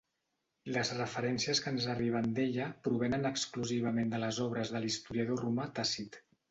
Les referències que ens arriben d'ella provenen exclusivament de les obres de l'historiador romà Tàcit.